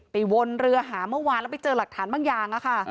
วนเรือหาเมื่อวานแล้วไปเจอหลักฐานบางอย่างค่ะ